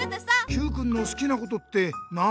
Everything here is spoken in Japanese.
Ｑくんのすきなことって何？